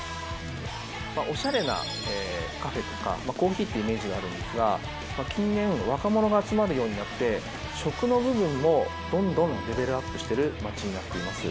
おしゃれなカフェとかコーヒーのイメージがあるんですが、近年若者が集まるようになって、食の部分でもどんどんレベルアップしている街になっています。